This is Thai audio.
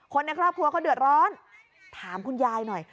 ในครอบครัวเขาเดือดร้อนถามคุณยายหน่อย